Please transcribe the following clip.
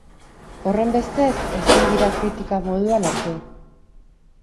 Horrenbestez, ezin dira kritika moduan hartu.